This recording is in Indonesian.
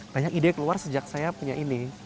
banyak ide keluar sejak saya punya ini